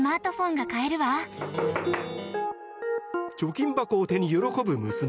貯金箱を手に喜ぶ娘。